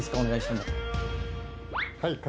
はい。